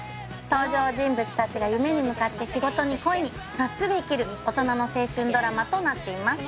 登場人物達が夢に向かって仕事に恋にまっすぐ生きる大人の青春ドラマとなっています